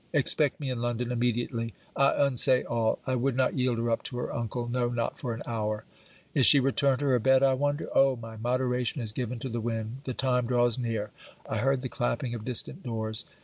Expect me in London immediately. I unsay all. I would not yield her up to her uncle, no not for an hour! Is she returned to her bed, I wonder? Oh! my moderation is given to the wind! The time draws near! I heard the clapping of distant doors.